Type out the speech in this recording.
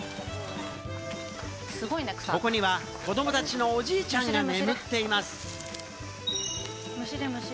ここには子供たちのおじいちゃんが眠っています。